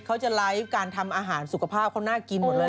เขาจะไร้การทำอาหารสุขภาพเขาน่ากินหมดเลย